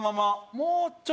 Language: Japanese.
もうちょい。